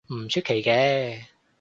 唔出奇嘅